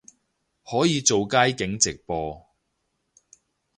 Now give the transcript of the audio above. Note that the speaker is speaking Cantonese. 可以做街景直播